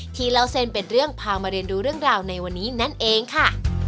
เล่าเส้นเป็นเรื่องพามาเรียนดูเรื่องราวในวันนี้นั่นเองค่ะ